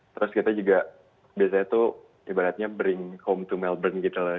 terus kita juga biasanya tuh ibaratnya bring home to melbourne gitu lah